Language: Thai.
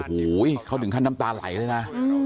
โอ้โหเขาถึงขั้นน้ำตาไหลเลยนะ